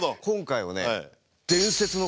今回はね